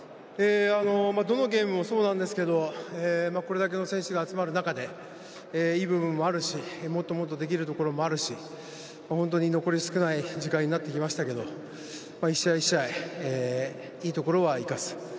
どのゲームもそうなんですけどこれだけの選手が集まる中でいい部分もあるしもっともっとできるところもあるし本当に残り少ない時間になってきましたけど１試合、１試合いいところは生かす。